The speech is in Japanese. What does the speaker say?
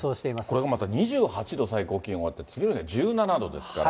これがまた２８度、最高気温があって、次の日が１７度ですから。